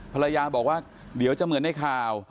ภรรยาบอกว่าเดี๋ยวจะเหมือนในข่าว